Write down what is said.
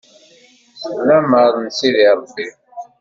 S lamer n sidi Rebbi.